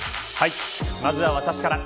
まずは私から。